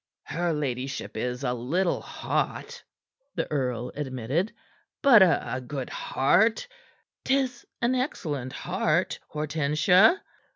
"Her ladyship is a little hot," the earl admitted, "but a good heart; 'tis an excellent heart, Hortensia."